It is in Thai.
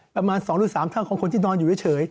ประมาณ๒๓เท่าของคนที่นอนอยู่เฉย